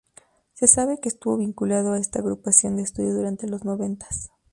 Se sabe que estuvo vinculado a esta agrupación de estudio durante los noventas.